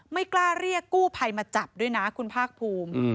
ไม่กล้าเรียกกู้ภัยมาจับด้วยนะคุณภาคภูมิ